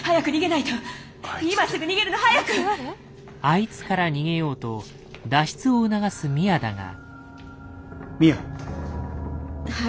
「あいつ」から逃げようと脱出を促すミアだが。